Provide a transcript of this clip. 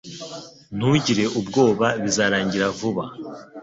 Ntugire ubwoba Bizarangira vuba